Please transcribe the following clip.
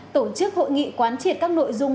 tổ chức hội nghị quán triệt các nội dung